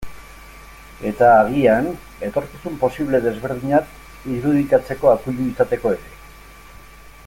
Eta, agian, etorkizun posible desberdinak irudikatzeko akuilu izateko ere.